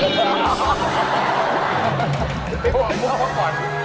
แต่พี่ล้มยังเล่นกัน